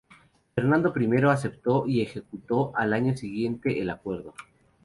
Fernando I aceptó y ejecutó al año siguiente el acuerdo.